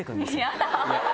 嫌だ。